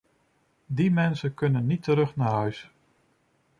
Die mensen kunnen niet terug naar huis.